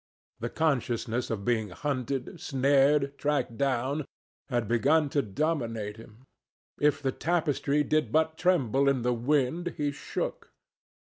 The consciousness of being hunted, snared, tracked down, had begun to dominate him. If the tapestry did but tremble in the wind, he shook.